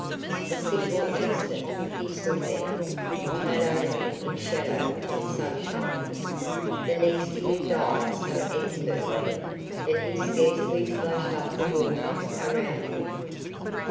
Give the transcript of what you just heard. A single instant he stood there, clad only in shadow and sunshine, the next he had dived so expertly that he scarcely splashed up the water around him.